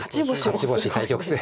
勝ち星対局数